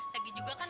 lagi juga kan